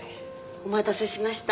お待たせしました。